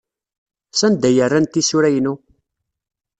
Sanda ay rran tisura-inu?